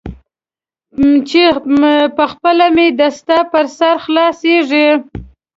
چې پخپله مې دستار پر سر خلاصیږي.